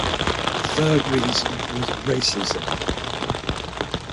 The third reason was racism.